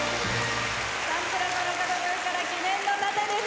サンプラザ中野くんから記念の盾です。